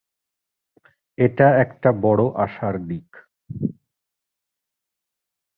এটা একটা বড় আশার দিক।